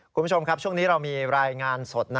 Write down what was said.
คุณผู้ชมครับช่วงนี้เรามีรายงานสด